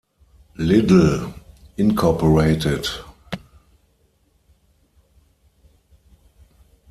Little, Inc.